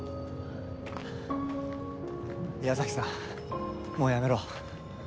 岩崎さんもうやめろ。